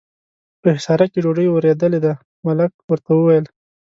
په حصارک کې ډوډۍ ورېدلې ده، ملک ورته وویل.